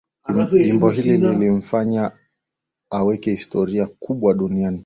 Jambo hili lilimfanya aweke historia kubwa duniani